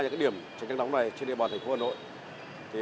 triển khai những điểm tranh nóng này trên địa bàn thành phố hà nội